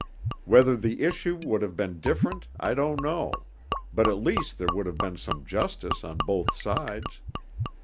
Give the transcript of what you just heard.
Whether the issue would have been different I don't know, but at least there would have been some justice on both sides.